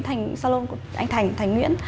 thành salon của anh thành thành nguyễn